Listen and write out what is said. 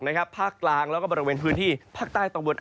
ตะวันออกภาคกลางแล้วก็บริเวณพื้นที่ภาคใต้ตรงบน